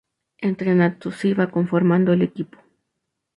Entretanto, se iba conformando el equipo.